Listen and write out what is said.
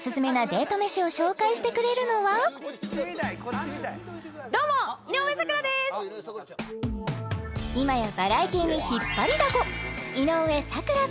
デート飯を紹介してくれるのは今やバラエティーに引っ張りだこ！